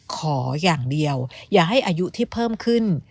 ขออย่างเดียวอย่าให้อายุที่เพิ่มขึ้น